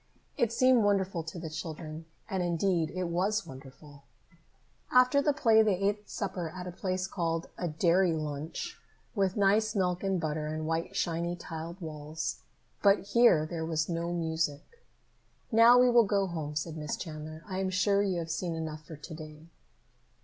It seemed wonderful to the children, and, indeed, it was wonderful. After the play they ate supper at a place called a dairy lunch, with nice milk and butter and white shiny tiled walls. But here there was no music. "Now we will go home," said Miss Chandler. "I am sure you have seen enough for to day."